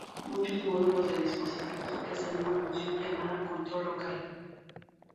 Muchos módulos de dispositivos ofrecen una función llamada "control local".